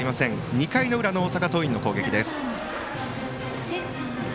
２回の裏、大阪桐蔭の攻撃です。